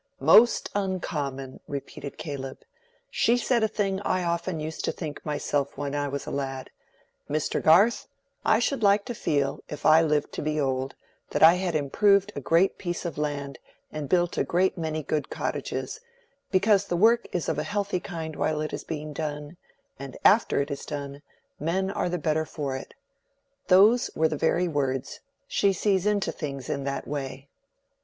"Most uncommon!" repeated Caleb. "She said a thing I often used to think myself when I was a lad:—'Mr. Garth, I should like to feel, if I lived to be old, that I had improved a great piece of land and built a great many good cottages, because the work is of a healthy kind while it is being done, and after it is done, men are the better for it.' Those were the very words: she sees into things in that way."